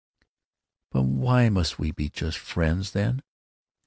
"But why must we be just friends, then?"